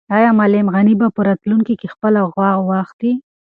آیا معلم غني به په راتلونکي کې خپله غوا واخلي؟